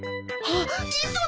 あっ！